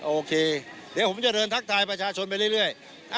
โอเคเดี๋ยวผมจะเดินทักทายประชาชนไปเรื่อย